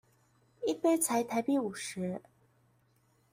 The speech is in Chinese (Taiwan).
一杯才台幣五十